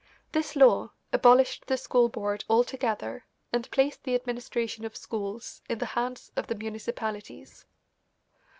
This law abolished the school board altogether and placed the administration of schools in the hands of the municipalities.